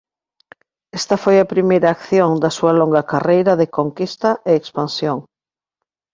Esta foi a primeira acción da súa longa carreira de conquista e expansión.